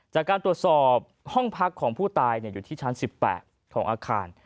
จากการตรวจสอบห้องพักของผู้ตายอยู่ที่ชั้น๑๘ของอาคาร